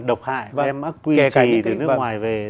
độc hại và kể cả những cái